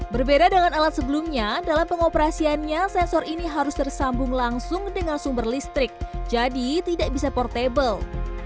berbeda dengan alat sebelumnya dalam pengoperasiannya sensor ini harus tersambung langsung dengan sumber listrik jadi tidak bisa portable